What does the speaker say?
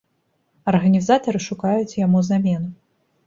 Арганізатары шукаюць яму замену.